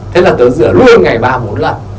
thế là tớ rửa luôn ngày ba bốn lần